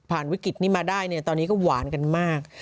วิกฤตนี้มาได้เนี่ยตอนนี้ก็หวานกันมาก